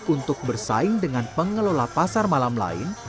untuk bersaing dengan pengelola pasar malam lain